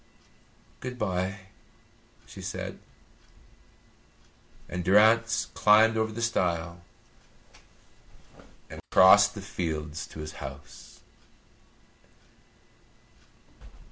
"Good bye," she said, and Durrance climbed over the stile and crossed the fields to his house.